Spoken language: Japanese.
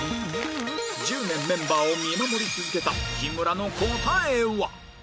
１０年メンバーを見守り続けた日村の答えは？